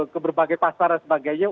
ke berbagai pasar dan sebagainya